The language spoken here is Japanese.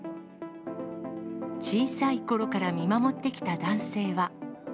小さいころから見守ってきた男性は。